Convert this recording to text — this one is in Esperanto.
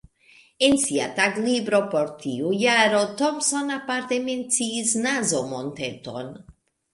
En sia taglibro por tiu jaro Thompson aparte menciis Nazo-Monteton.